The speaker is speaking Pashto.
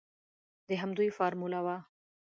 د همدوی فارموله وه.